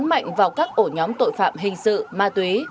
đánh mạnh vào các ổ nhóm tội phạm hình sự ma túy